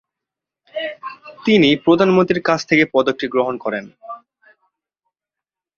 তিনি প্রধানমন্ত্রীর কাছ থেকে পদকটি গ্রহণ করেন।